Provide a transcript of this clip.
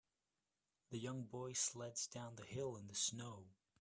The young boy sleds down the hill in the snow.